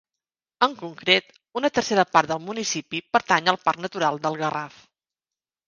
En concret, una tercera part del municipi pertany al Parc Natural del Garraf.